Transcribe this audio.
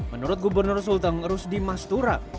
menurut gubernur sultan rusdi mas tura